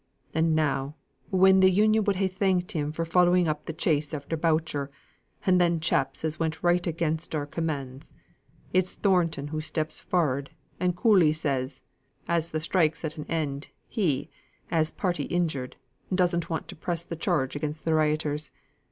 And, now, when th' Union would ha' thanked him for following up th' chase after Boucher, and them chaps as went right again our commands, it's Thornton who steps forrard and coolly says that, as th' strike's at an end, he, as party injured, doesn't want to press the charge again the rioters.